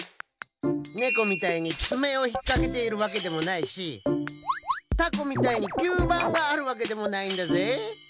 ネコみたいにつめをひっかけているわけでもないしタコみたいにきゅうばんがあるわけでもないんだぜ！